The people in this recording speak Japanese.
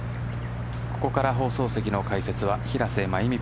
ここから放送席の解説は平瀬真由美